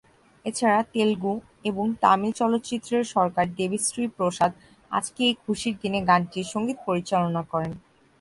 এছাড়া তেলুগু এবং তামিল চলচ্চিত্রের সুরকার দেবী শ্রী প্রসাদ "আজকে এই খুশির দিনে" গানটির সঙ্গীত পরিচালনা করেন।